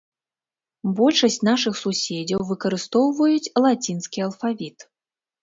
Большасць нашых суседзяў выкарыстоўваюць лацінскі алфавіт.